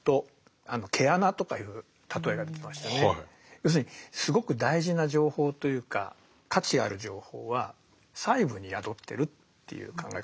要するにすごく大事な情報というか価値ある情報は細部に宿ってるっていう考え方だと思います。